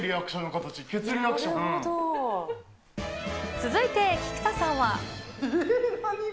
続いて菊田さんは。